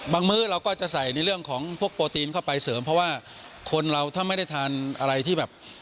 มื้อเราก็จะใส่ในเรื่องของพวกโปรตีนเข้าไปเสริมเพราะว่าคนเราถ้าไม่ได้ทานอะไรที่แบบ